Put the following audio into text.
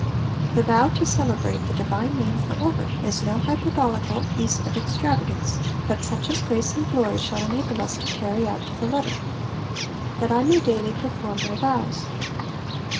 The vow to celebrate the divine name /<w ever^^ is no hyper bolical piece of extravagance, but such as grace and glory shall enable us to carry out to the letter. ^^That I may daily perform my vows.''